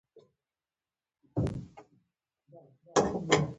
بامیان د افغان ځوانانو لپاره ډیره زیاته او لویه دلچسپي لري.